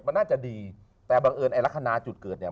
มันน่าจะดีแต่บังเอิญไอ้ลักษณะจุดเกิดเนี่ย